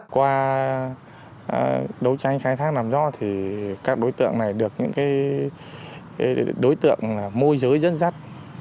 qua đấu tranh khai thác làm do thì các đối tượng này được những cái đối tượng môi giới dân dắt